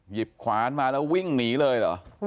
หยิบขวานมาแล้ววิ่งหนีเลยเหรอ